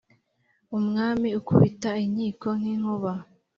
umwami ukubita inkiko nk’inkuba